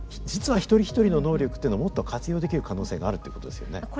実は一人一人の能力っていうのをもっと活用できる可能性があるってことですよね。